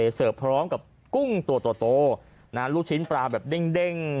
หรือเสิร์ฟพร้อมกับกุ้งตัวตัวโตนะฮะลูกชิ้นปลาแบบเด้งเด้ง